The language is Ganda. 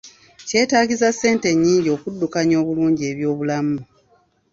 Kyetaagisa ssente nnyingi okuddukanya obulungi eby'obulamu.